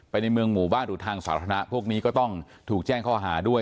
ในเมืองหมู่บ้านหรือทางสาธารณะพวกนี้ก็ต้องถูกแจ้งข้อหาด้วย